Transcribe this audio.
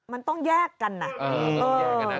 มันต้องแยกกันนะเอ่อต้องแยกกันนะ